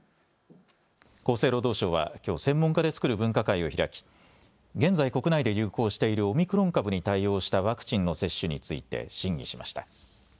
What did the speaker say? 厚生労働省はきょう専門家で作る分科会を開き現在、国内で流行しているオミクロン株に対応したワクチンの接種について審議しました。